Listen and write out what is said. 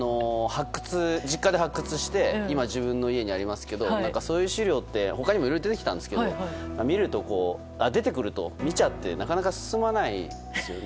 実家で発掘して今、自分の家にありますけどそういう資料って他にも色々出てきたんですけど出てくると見ちゃってなかなか進まないんですよね。